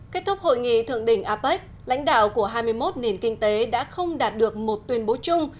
kết thúc hội nghị thượng đỉnh apec lãnh đạo của hai mươi một nền kinh tế đã không đạt được một tuyên bố chung